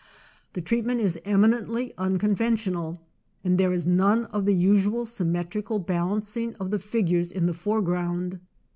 The treat ment is eminently unconventional, and there is none of the usual symmetrical balancing of the figures in the fore ground.